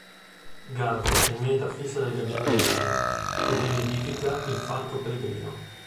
Gavi è meta fissa del gabbiano reale e vi nidifica il falco pellegrino.